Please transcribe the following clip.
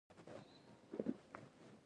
مېز له درازونو سره هم وي.